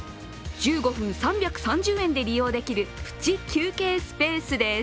１５分３３０円で利用できるプチ休憩スペースです。